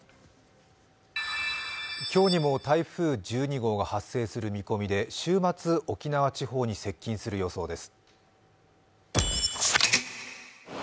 今日にも台風１２号が発生する見込みで週末、沖縄地方に接近する予想です